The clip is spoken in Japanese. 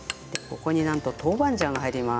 ここになんと豆板醤が入ります。